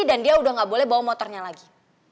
dan dia udah gak boleh bawa motornya lagi